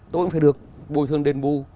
tôi cũng phải được bồi thường đền bù